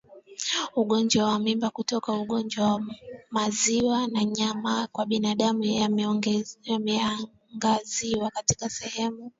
Ugonjwa wa Mimba Kutoka Ugonjwa wa Maziwa na Nyama kwa binadamu yameangaziwa katika sehemu